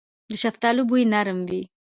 د شفتالو بوی نرم وي.